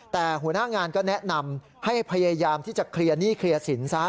แต่หัวหน้างานก็แนะนำให้พยายามที่จะเคลียร์หนี้เคลียร์สินซะ